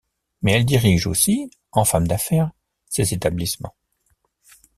Mais elle dirige aussi, en femme d'affaires, ses établissements.